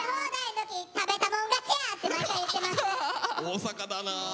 大阪だな。